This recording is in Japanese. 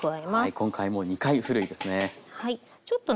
今回も２回ふるいですね。